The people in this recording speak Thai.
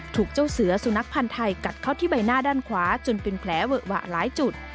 ถูกเจ้าเสือสุนัขพันธ์ไทยกัดเข้าที่ใบหน้าด้านขวาจนเป็นแผลเวอะหวะหลายจุด